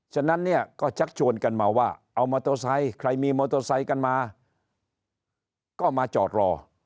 ฉะนั้นเนี่ยก็ชักชวนกันมาว่าเอามอเตอร์ไซค์ใครมีมอเตอร์ไซค์กันมาก็มาจอดรอ